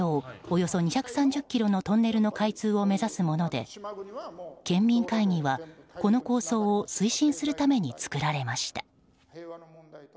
およそ２３０ｋｍのトンネルの開通を目指すもので県民会議は、この構想を推進するために作られました。